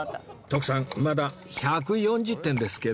徳さんまだ１４０点ですけど